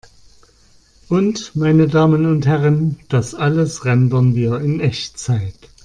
Und, meine Damen und Herren, das alles rendern wir in Echtzeit!